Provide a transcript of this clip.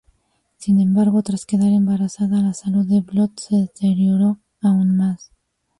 Sin embargo, tras quedar embarazada, la salud de Blood se deterioró aún más.